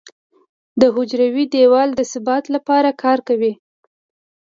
د حجروي دیوال د ثبات لپاره کار کوي.